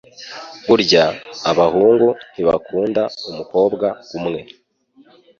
Burya abahungu ntibakunda umukobwa umwe